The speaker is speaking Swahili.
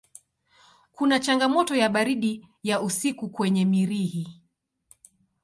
Kuna changamoto ya baridi ya usiku kwenye Mirihi.